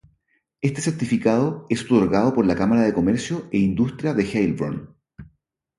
Este certificado es otorgado por la Cámara de Comercio e Industria de Heilbronn.